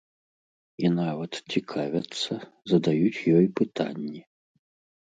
І нават цікавяцца, задаюць ёй пытанні.